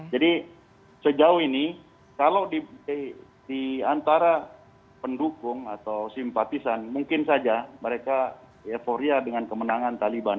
jadi sejauh ini kalau di antara pendukung atau simpatisan mungkin saja mereka euforia dengan kemenangan taliban